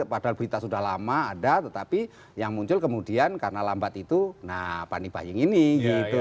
padahal berita sudah lama ada tetapi yang muncul kemudian karena lambat itu nah panic buying ini gitu